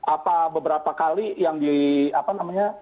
apa beberapa kali yang di apa namanya